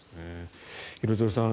廣津留さん